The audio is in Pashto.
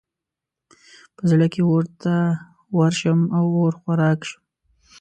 په زړه کې اور ته ورشم او اور خوراک شم.